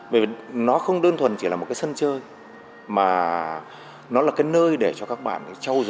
bởi vì nó không đơn thuần chỉ là một cái sân chơi mà nó là cái nơi để cho các bạn trâu dồi học hỏi va vấp